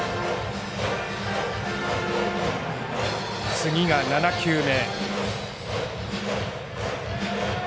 次が７球目。